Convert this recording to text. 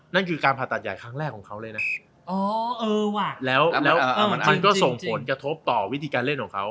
มันก็ส่งผลใกล้กระโทษต่อวิธีการเล่นของเขา